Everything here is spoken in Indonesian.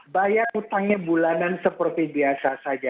bayar utangnya bulanan seperti biasa saja